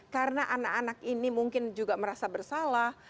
karena anak anak ini mungkin juga merasa bersalah